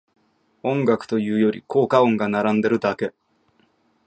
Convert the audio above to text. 音楽というより効果音が並んでるだけ